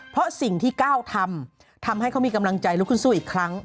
เพราะสิ่งที่ก้าวทำทำให้เขามีกำลังใจลุกขึ้นสู้อีกครั้ง